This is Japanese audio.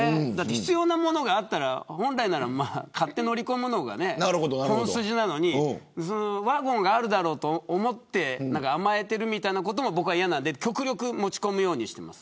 必要なものがあったら本来なら買って乗り込むのが本筋なのにワゴンがあるだろうと思って甘えてるみたいなことも嫌なんで極力持ち込むようにしてます。